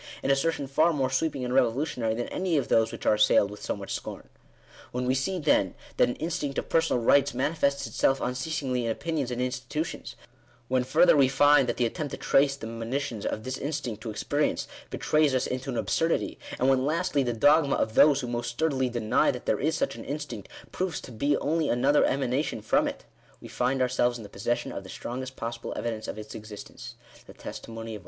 22) — an assertion far more sweeping and revolutionary than any of those which are assailed with so much scorn*. When we see, then, that an instinct of personal rights mani fests itself unceasingly in opinions and institutions; when further we find that the attempt to trace the monitions of this instinct to experience, betrays us into an absurdity ; and when lastly, the dogma of those who most sturdily deny that there is such an instinct, proves to be only another emanation from it — we find ourselves in possession of the strongest possible evidence of its existence— the testimony of all parties.